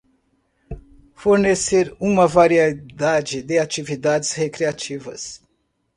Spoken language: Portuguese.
Fornecer uma variedade de atividades recreativas